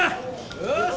よし！